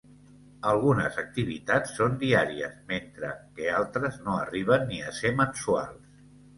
Algunes activitats són diàries mentre que altres no arriben ni a ser mensuals.